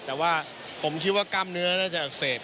แต่ว่าผมคิดว่ากล้ามเนื้อน่าจะอักเสบ